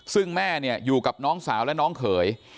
ซึ่งแม่เนี่ยอยู่กับน้องสาวและน้องเขย